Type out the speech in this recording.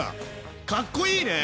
かっこいいね！